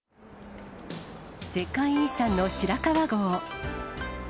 世界遺産の白川郷。